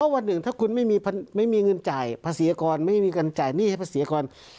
วันหนึ่งถ้าคุณไม่มีเงินจ่ายภาษีอากรไม่มีการจ่ายหนี้ให้ภาษีกร